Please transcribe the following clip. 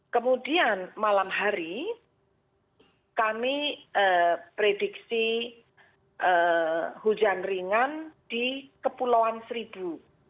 kemudian malam hari kami prediksi hujan ringan di kepulauan seribu